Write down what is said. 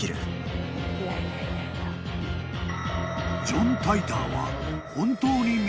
［ジョン・タイターは］